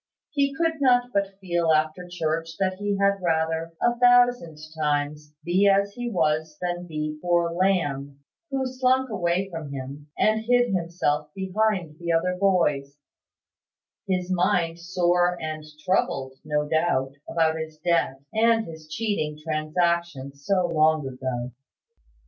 He could not but feel after church that he had rather, a thousand times, be as he was than be poor Lamb, who slunk away from him, and hid himself behind the other boys, his mind sore and troubled, no doubt, about his debt, and his cheating transaction, so long ago.